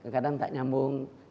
kadang tak nyambung